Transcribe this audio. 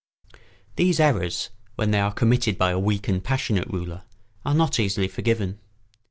] These errors, when they are committed by a weak and passionate ruler, are not easily forgiven.